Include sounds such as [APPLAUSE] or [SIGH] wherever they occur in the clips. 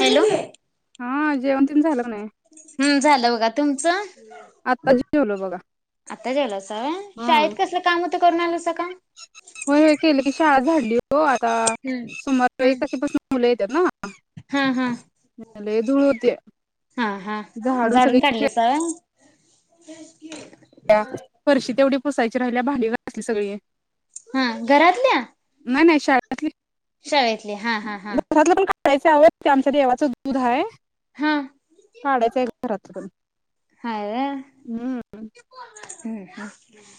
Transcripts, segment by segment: Hello. हा जेवण तेन झालं की नाही. तुमच. आत्ता जेवलो बघा आत्ता जेवलासा होय. हा शाळेत कसलं काम होत. करून आलं अस काम. होय होय केलं की शाळा झाडली. हो आता सुमार एक तारखीपासून मुले. ना. हा हा हम धूळ होते. हा झाडू सगळे. हम्. हरशी तेवढी पुसायची. राहिला भडीवर असली सगळी. हा घरातल्या नाही नाही श शाळेतले हा हा हा घरातलं पण काढायचं आवड ते आमच्या येवचं दूध आहे हा काडाच आहे घरातलं पण हाय व्हय हम्म हम्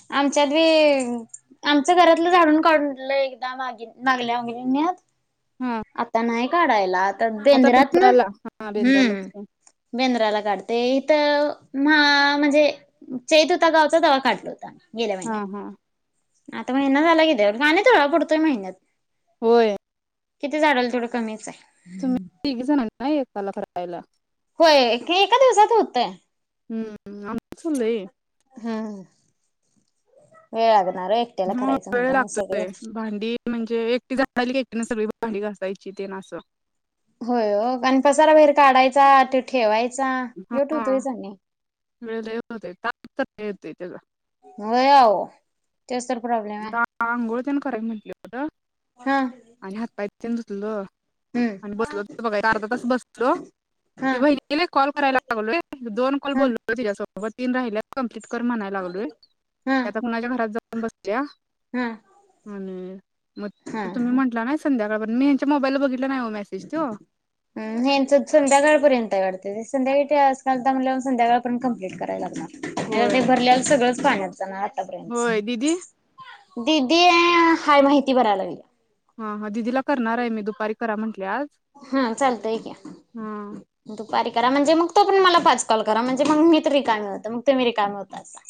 आमच्यात ब आमच घरातलं झाडून काढलं एकदा माग मागल्यागल्यांनीत हा आता नाही काढायला आता बेंद्रात ना बेंद्राला हा बेंद्रालाच हम्म की. बेंद्राला काढत ते इथ म्हणजे चेत होता गावचा दवा काढला होता गेल्या हा हा महिन्यात आता महिना झाला किे का नाहीथोडा पुडतोय महिन्यात होय किती झाल थोडं कमीच आहे तुम्ही तघेच ना नाही एकाला करायला होय एका दिवसात होतंय हम्म आचलेले वेळगत हा वेळ लागतो ते भांडी म्हणजे एकटी झा आली की एकटी ना सगळी डी घासायची ते ना असं होय हो आणि पसारा बाहेर काढायचा ते ठेवायचा ह्यो हा ठेवतोयच आणि वळ होते येतयेतला होव तेसर प्रॉब्लेम आहे कय पटो हा आणि हात पा तिंद तलो हम्म आणि बसलो बघा अर्धा तास बसलो हा ती बहिणीला कॉल करायला लागलो दोन कॉल हा बोललो तिसोब अ तीन राहिल्या तितकर म्हणायला लागलोय हा आता कणाच्या घरात जाऊ बस त्या हा. आणि मग हा तुम्ही हा. म्हटला नाही संध्याकाळ मी यांच्या मोबाईल बघ हम्म हेसच संध्याकाळपर्यंत आहे वाडत. संध्याकाळी [UNINTELLIGIBLE] संध्याकाळ पर्यंत कंप्लीट करायला लागणार. आता होय ते भरलेलं सगळंच पाण्यात जाणार आतापर्यंतच होय दिदी दिदी हाय माहिती भरायालागलीया हा हा दिदीला करणार आहे मी दुपारी करा म्हंटले आज हा चालतंय क्या हा दुपारी करा म्हणजे मग तोपर्यंत मला पाच कॉल करा म्हणजे मग मी तर रिकामी होतय मग तुम्ही रिकामा होत असा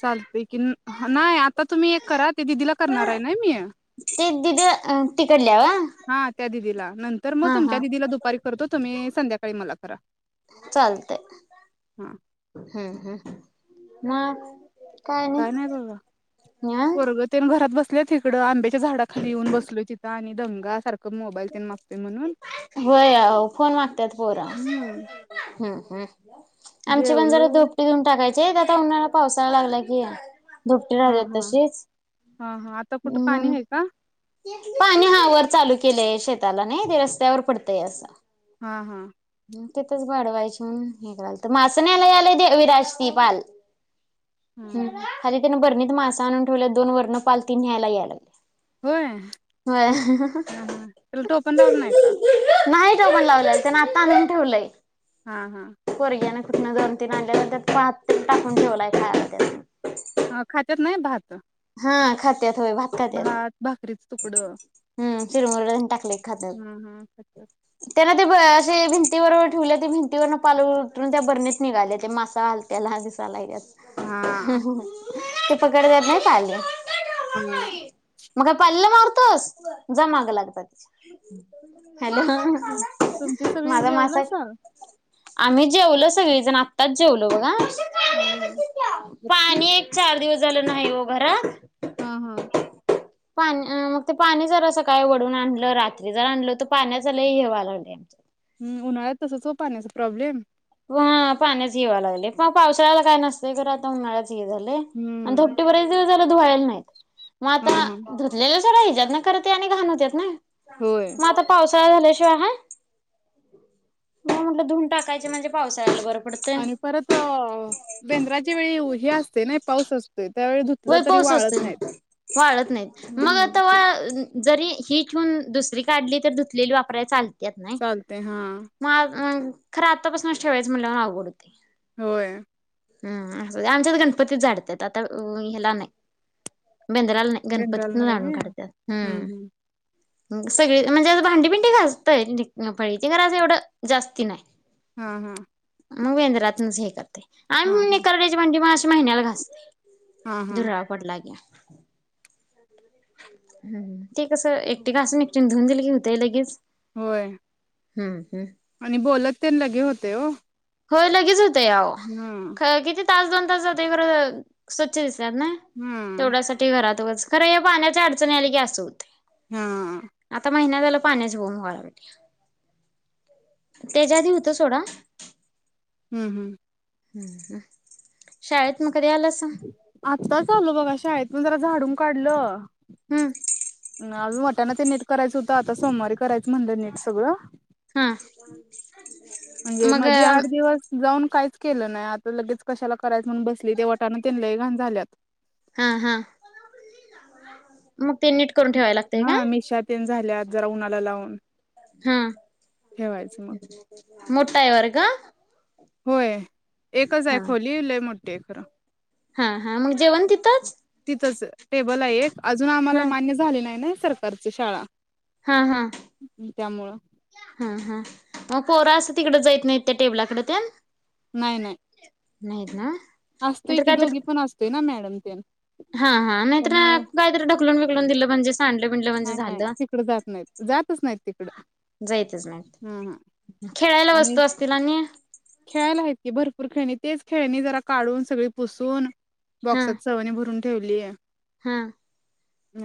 चालतय की नाही आता तुम्ही एक करा ते दिदीला करणार आहे ना मी ते दिदी तिकडल्या व्हय हा त्या दिदीला नंतर मग हा तुमच्या हा. दिदीला दुपारी करतो तुम्ही संध्याकाळी मला करा. चालत हा हूं हूं म काय नाही बघा पोरग तेनं घरात बस इकड आंब्याच्या झाडाली येऊन बसलो तिथं आणि दंगा सारख् होय आहो फोन मागत्यात पोर हम्म हूं हूं आमची पण जरा जेवलो धोपटी घेऊन टाकायची तेच आता उन्हाळा पावसाला लागला की, धोपटी हा राहिल्या हा तशीच हा हा आता कुठं पाणी म्हणु आहे का पाणी हा वर चालू केलंय शेताला नाही ते रस्त्यावर पडतय असं हा हा तिथंच वाडवायची म्हणून ही कराल त मास न्यायला यालाय विराज ती पाल हा हूं हा खाली तेन बरणी मासा आणून ठेवला दोन वर्ण पाल ती न्यायला यायला लागले. होय होय. हा हा त्याला टोपण लावलं नाय का? नाही टोपण लावलं त्यान आता आणून ठेवलंय हा हा कुटना दोन तीन आणल त्यात पात तेन टाकून ठेवलाय खायला त्यास्नी हा खात्यात नाय भात हा खात त्यात होय भात खात्यात भाकरीच तुकडं हम्म चिरमुरे टाकले खात्यात हम्म हम्म अच्छा. त्यांना ते जे भिंतीबरबर ठेवले ते भिंतीवरन पाल उतरुन त्या भरणीत निघाले ते मासा हलत्याल दिसाया लागल्यात हा ते पकडतात नाय [INAUDIBLE] हम्म. मग काय पालीला मार जा माग लाग तीज्या हॅलो तुमची सगळी माझा मासा जेवलासा. आम्ही जेवलो सगळीजण आताच जेवलो बघा. हम् हम [INAUDIBLE] झाल नाही ओ. भरा हा हा पाणी मग ते पाणी जरा सकाळी वढून आणलं रात्री जरा आणलं होतं पाण्याच लय व्हायला लागलं हम् उन्हाळ्यात तसच हो पाण्याचा प्रॉब्लेम हा पाण्याच व्हायला लागलय पण पावसाळ्याला काय नसतय खर आता उन्हाळ्यात. ही झालंय आणि हम्म कपडे बरेच दिवस धुवायला नाही. मग हा आता हा धुतलेलं. [INAUDIBLE] ना कर ते आणि घाणवत ना होय. मग आता पावसाळा झाल्याशी हाय म्हणून म्हणलं आता धून टाकायची म्हणजे पावसाळ्यात बर आणि परत अ बेंद्राच्या वेळी हे असते ना पाऊस असतय होय पाऊस असतो वाळत नाहीत मग हम्म आता वा जरी ही ठेवन दुसरी काढली तररी धुतलेली वापराय चालते त्यात चालते हा नाय खरं आतापासूनच ठेवायचं म्हणलं आवड होतय होय हम् आमच्यात गणपतीच झाडतात आता हो ह्याला नाही बेंद्राला नाय बेंद्राला गणपतीत नाही झाडून व्हय काढतात हम्म सगळी म्हणजे भांडीबीडी घासतय फळीची गरज एवढं जास्ती नाही हा हा मग बेंद्रात हे करते हा आणि हा. [INAUDIBLE] म्हणजे मग अशी महिन्याला घासते हा हा दुरावा पडला हम् ते कस एकटी घासून एकटी धुन दिलं की होतंय लगेच होय हम्म हम आणि बोलत ते लगे होते हो होय लगेच हो तव अहो खर किती तास दोन तास जातय खर स्वच्छ दि हम्म तेवढ्यासाठी घरात खरं या पाण्याच्या अडचणी आल्या की असतोत हा महिना झाला पाण्याच होऊम घला त्याच्या आधी होत सोडा हम्म हम्म हम्म ह शायद आत्ता चालो बघा शाळेत पण जरा झाड काढलं हम्म आम्ही वाटाना ते नेट करायचं होतं आता सोमवारी करायचं म्हणलं ने सगळं हा म्हणजे मग मध्ये आठ दिवस जाऊन काहीच केलं नाही आता लगेच कशाला करायचं म्हणून बसली ते वटानं तेन लही घाण झाल्यात हा हा मग तेनिट करून ठेवाय लागते का हा मिशा तेन झाल्यात जरा उन्हाला लावून हा ठेवायचं मग मोठायवर्ग व्हय एकच आहे खोली लै [UNINTELLIGIBLE] हा हा मग जेवण तितच? तितच टेबल आहे एक अजून आम्हाला हा मान्य झाले नाही ना सरकारची शाळा हा हा त्यामुळं हा हा मग पोरा असं तिकड जायत नाहीत त्या टेबलाकडे त्या? नाही नाही. नाहीत ना. असतोय कि दोघी कायतरी पण असतय ना मॅडम. [INAUDIBLE] हा हा नाही तर त्यामुळं काय तर ढकलून बिकलून दिल म्हणजे सांडलं बिंडलं म्हणजे नाही नाही झालं तिकड जात नाहीत जातच नाहीत तिकड जायतच नाहीत हा हा खेळायला आणि वस्तू असतील आणि खेळायला आहेत की भरपूर तेच खेळणी जरा काढून सगळी पुसून बॉक्सात [UNINTELLIGIBLE] भरून ठेवली ये. हम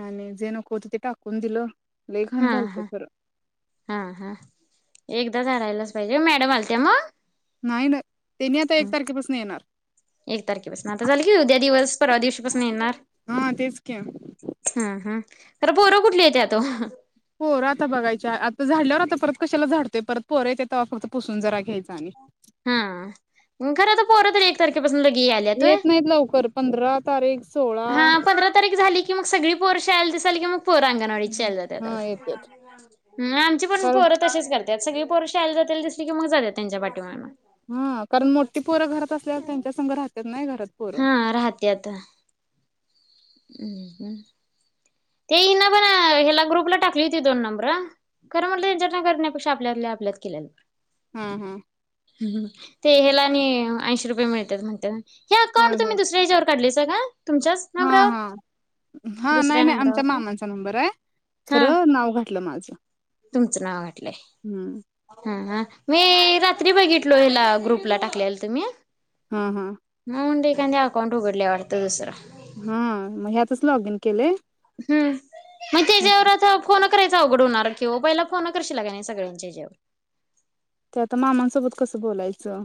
आणि जे नको होते ते टाकून दिलं. लय हा घाण झालत हा खरं हा हा एक [UNINTELLIGIBLE] पाहिजे मॅडम आलत्या म? त नाही ना, त्यांनी आता एक तारखेपासून येणार. एक तारखेपासन, आता झालं की उद्या दिवस, परवा दिवशीपासून येणार. हा तेच की हम हम. खर पोरं कुठली येत्यात? [UNINTELLIGIBLE] पोरं आता बघायच्या आत झाडल्यावर आता परत कशाला झाडतोय, परत पोर येत्यात तेव्हा फक्त पुसून जरा घ्यायचा आणि हा, खरं तर पोर तर एक तारखे येत नाहीत लवकर, पंधरा तारीख सोळा हा पंधरा तारीख झाली की, मग सगळी पोरं शाळेला दिसायली की मग, पोर अंगणवाडीच्या शाळेला हा येतात जात्यात्या, आमचे पण कारण पोरं तसेच कर त्यात सगळी पोर शाळेला जातील दिसली की मग जात्यात त्यांच्या पाठीमागण हा, कारण मोठी पोरं घरात असल्यावर त्यान संग राहत्यात नाही राह हा राहत्याता. [UNINTELLIGIBLE] ते हिन पण ह्याला ग्रुपला टाकली होती दोन नंबर, खरं म्हणलं ह्यांच्यातन करण्यापेक्षा आपल्यातल्या आपल्यात केल्याल बर. हा हा ह ते हेला आणि ऐंशी रुपये मिळत्यात म्हणत्यात. ह्या कांड तुम्ही दुसऱ्या हेज्यावर काढलेस का? तुमच्याच नंबरावर हा-हा, हा नाही दुसऱ्या नाही आम नंबरावर का मामांचा नंबराय हा खरं नाव घात लं माझं. तुमचं नाव घाटलंय, हम्म हा ह मी रात्री बघितलो, हिला ग्रुपला टाकलेला तुम्ही. हा हा त्यांनी अकाउंट उघडलय वाटतं दुसरं. हा, मग ह्यातच लॉगिन केलय. हम्म मग ते जेव [UNINTELLIGIBLE] फोन करायच अवघड होणार कि वो, पहिला फोन करशीला का नाही सगळ्यांच्या ह्याज्यावर. ते आता मामांसोबत कसं बोलायचं?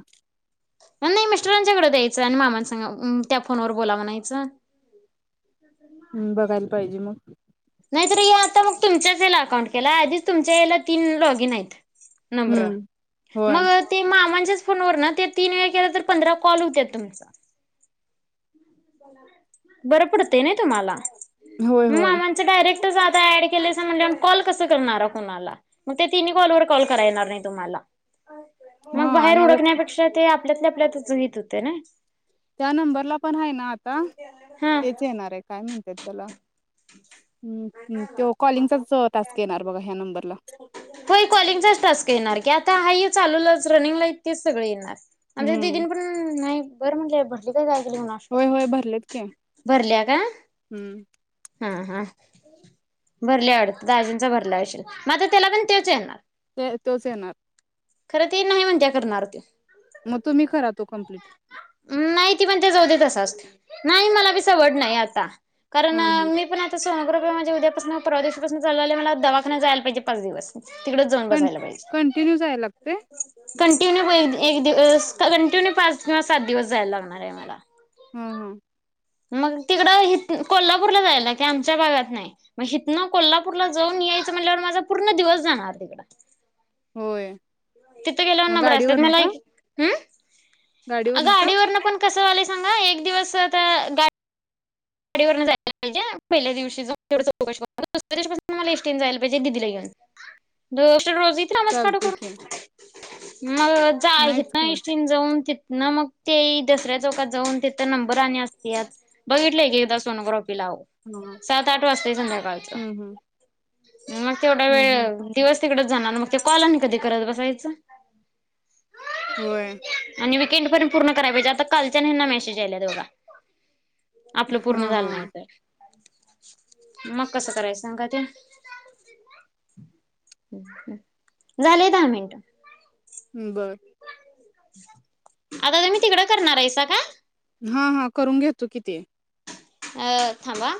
नाही मिस्टरांच्याकडे द्यायचं आणि मामां संग त्या फोनवर बोला मनायचं. हम्म बघायला पाहिजे मग. नाहीत हे आता मग तुमच्याच याला अकाउंट केला आधीच तुमच्या याला तीन लॉगिन आहेत नम हम्म होय मग ते मा फोन व तीन वे के तर पंधरा कॉल होत तुम बर पडतय ना तुम्हाला होय होय डारे ड कल कणा त कॉल कल कणार नाही तुमला हा मग बाहेर आणि आता डखण्यापेक्षा ते आपल्यातले आपल्याच हित होते ना त्या नंबरला पण आहे ना आता हा तेच येणार आहे काय म्हणत ला ह् त कॉलिंगचाच टासक येणार बघा ह्या नंबरला हो कॉलिंगचाच टास्क येणार की आता आहेा चालूलंच रनिंगला तेच सगळ येणार आमच्या द हम्म दिन पण नाही बरं म्हणजे भटली काय केली कुणास ठाऊक होय होय भरलेत की भरल्या का हम्म हा हा भरले आवडत दाजींच भरल्या आशील मात्र त्याला पण तेच येणार ते तोच येणार खरं ते नाही म्हणत्या करणार त मग तुम्ही करा तो कम्प्लीट नाही त पण ते जाऊ द त अस असते नाही मला वड नाही आता कारण ह मी पण आता नग्र माझे उद्यापासून प्रदेशपासून चालले मला दखाना जायला पाहिजे पाच दिवस तिकडच जाऊन क बसायला पाहिजे कंटिन्यू जायला लागते कंटिन्यू एक दिव कंटिन्यू पाच किंवा सात दिवस जायला लागणार आहे मला ह ह मग तिकडं ह कोल्हापूरला जायला की आमच्या भागात नाही मग हथनं कोल्हापूरला जाऊन यायचं म्हणल्यावर माझा पूर्ण दिवस जाणार तिकडं होय तिथ केल्यावन मग नंबर असतात गाडीवरन मला का हम अग गाडीवरन का आडीवरन पण कसं वाले सांगा एक दिवस गाडी गडीवर जायला पाहिजे पहिल्या दिवशी दुस्या दिव मला एस्टीं जायला पाहिजे दिदीला घेऊन रोजीत्र आमज काढो चालतय की करून मग जा आहेत नाहीच ना की इशीन जाऊन तिथ ना मग ते दसऱ्या चौकात जाऊन तिथ नंबर आणि असते बघ लले गे सोन ग्रप लाव हा सात आठ वाजताय संध्याकाळच हम्म हम्म मग तेवढा हम्म हम्म वेळ दिवस तिकडच जाणार मग ते कॉलनी कधी करत बसायचं होय कंड पर्यंत पूर्ण कराय पाहिजे आता कालच्या हना मेसेज आलाोघा आपलं हा पूर्ण झालं हा नाहीवत मग कसं करायचं सांगा ते झालेय दहा मिनिट हम्म बर आता तुम्ही तिकडं करणार आहेसा का हा हा करून घेतो किती अ थांबा